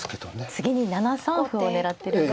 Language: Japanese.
次に７三歩を狙ってるんですね。